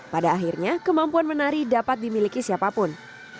pada akhirnya kemampuan menari dapat dimiliki siapapun